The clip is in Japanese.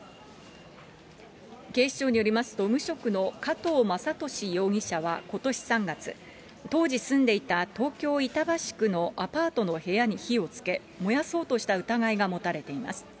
警視庁によりますと、無職の加藤正敏容疑者はことし３月、当時住んでいた東京・板橋区のアパートの部屋に火をつけ、燃やそうとした疑いが持たれています。